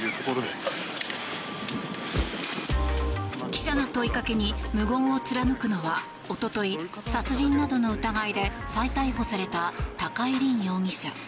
記者の問いかけに無言を貫くのはおととい、殺人などの疑いで再逮捕された高井凜容疑者。